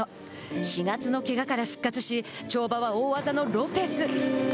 ４月のけがから復活し跳馬は大技のロペス。